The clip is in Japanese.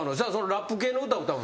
ラップ系の歌歌うんすか？